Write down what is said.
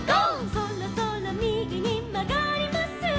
「そろそろひだりにまがります」